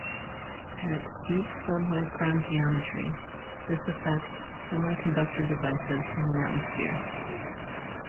At deep sub-micron geometries, this affects semiconductor devices in the atmosphere.